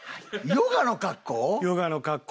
ヨガの格好で。